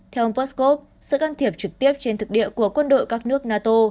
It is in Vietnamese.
theo ông peskov sự căng thiệp trực tiếp trên thực địa của quân đội các nước nato